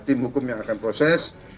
iya itu tim hukum yang akan proses